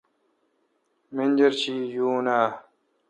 منجرشی یون آں؟